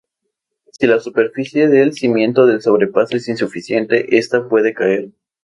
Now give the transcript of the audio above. Si la superficie de cimiento del sobrepaso es insuficiente, esta puede caer.